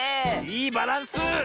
いいバランス！